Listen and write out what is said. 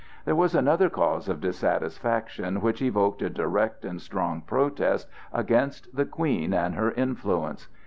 There was another cause of dissatisfaction, which evoked a direct and strong protest against the Queen and her influence.